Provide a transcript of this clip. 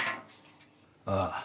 ああ